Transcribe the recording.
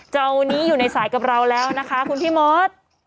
เจ้านี้อยู่ในสายกับเราแล้วนะคะคุณพี่มอส